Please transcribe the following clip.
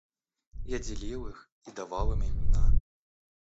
Я делил их и давал им имена.